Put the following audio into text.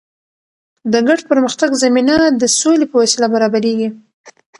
د ګډ پرمختګ زمینه د سولې په وسیله برابریږي.